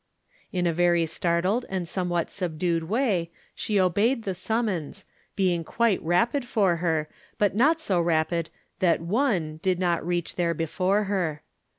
283 In a very startled and somewhat subdued way she obeyed the summons, being quite rapid for her, but not so rapid that one did not reach there before her.